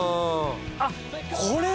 あっこれね！